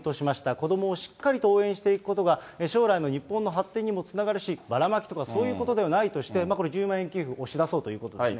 子どもをしっかりと応援していくことが、将来の日本の発展にもつながるし、ばらまきとかそういうことではないとして、これ、１０万円給付を推し出そうということですね。